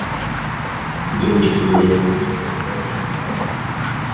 Девочка лежала у нее на руках и дремала.